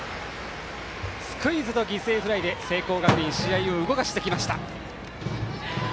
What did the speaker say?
スクイズと犠牲フライで聖光学院試合を動かしてきました。